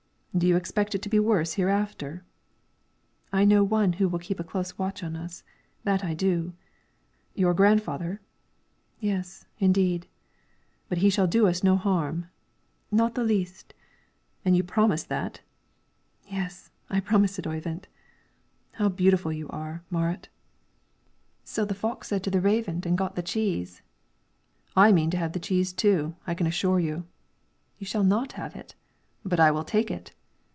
"Do you expect it to be worse hereafter?" "I know one who will keep a close watch on us that I do." "Your grandfather?" "Yes, indeed." "But he shall do us no harm." "Not the least." "And you promise that?" "Yes, I promise it, Oyvind." "How beautiful you are, Marit!" "So the fox said to the raven and got the cheese." "I mean to have the cheese, too, I can assure you." "You shall not have it." "But I will take it."